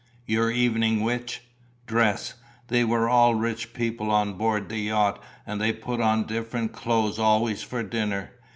"Your evening which?" "Dress. They were all rich people on board the yacht and they put on different clothes always for dinner.